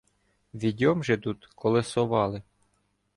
Відьом же тут колесовали